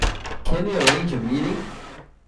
Can we arrange a meeting?